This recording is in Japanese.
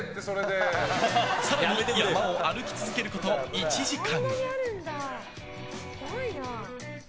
更に、山を歩き続けること１時間。